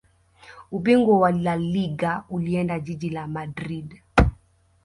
Ubingwa wa laliga ulienda jiji la madrid